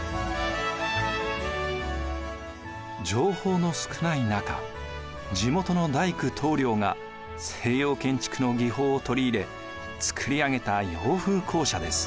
情報の少ない中地元の大工棟りょうが西洋建築の技法を取り入れ作り上げた洋風校舎です。